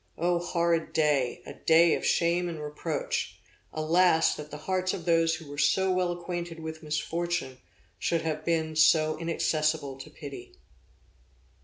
O horrid day! a day of shame and reproach! Alas! that the hearts of those who were so well acquainted with misfortune, should have been so inaccessible to pity.